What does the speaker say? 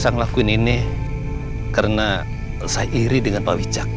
saya ngelakuin ini karena saya iri dengan pak wijak